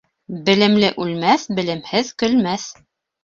Белемле үлмәҫ, белемһеҙ көлмәҫ.